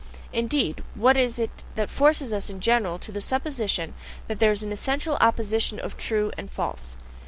Indeed, what is it that forces us in general to the supposition that there is an essential opposition of "true" and "false"?